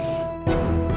tidak ada apa apa